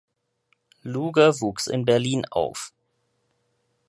Luger wuchs in Berlin auf.